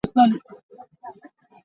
Bawlung puai an sung.